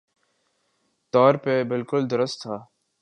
طور پہ بالکل درست تھا